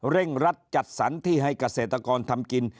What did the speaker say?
เร่งรัดจัดสรรที่ให้เกษตรกรทำกิน